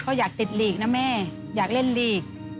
เขาอยากติดลีกนะแม่อยากเล่นลีก